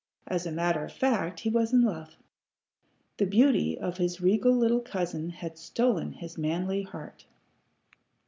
As a matter of fact, he was in love. The beauty of his regal little cousin had stolen his manly heart.